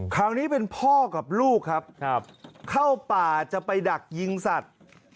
คราวนี้เป็นพ่อกับลูกครับเข้าป่าจะไปดักยิงสัตว์